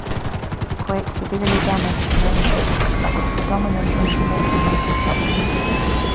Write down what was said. The quake severely damaged many churches that were predominantly masonry constructed.